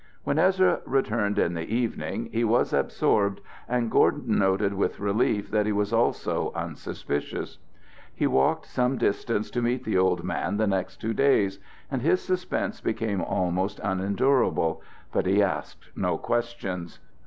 When Ezra returned in the evening he was absorbed, and Gordon noted with relief that he was also unsuspicious. He walked some distance to meet the old man the next two days, and his suspense became almost unendurable, but he asked no questions.